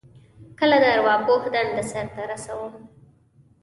کله د ارواپوه دنده سرته رسوم.